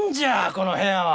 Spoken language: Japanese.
この部屋は！